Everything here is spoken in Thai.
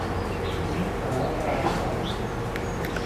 สิงห์สาราสัตว์